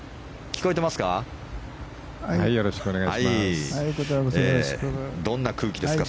聞こえてますか？